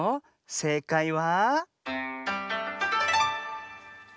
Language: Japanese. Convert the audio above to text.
せいかいは。